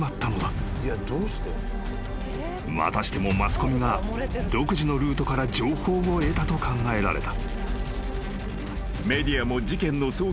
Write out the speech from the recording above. ［またしてもマスコミが独自のルートから情報を得たと考えられた］